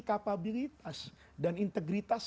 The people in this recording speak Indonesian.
kapabilitas dan integritas